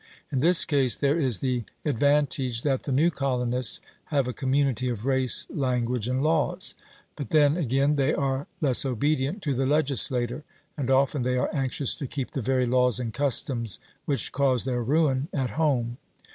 In this case there is the advantage that the new colonists have a community of race, language, and laws. But then again, they are less obedient to the legislator; and often they are anxious to keep the very laws and customs which caused their ruin at home.